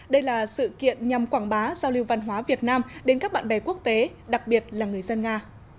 đây là sự kiện nhằm quảng bá giao lưu văn hóa việt nam đến các bạn bè quốc tế đặc biệt là người dân nga